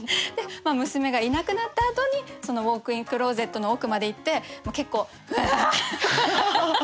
娘がいなくなったあとにそのウォークインクローゼットの奥まで行って結構うわ！って。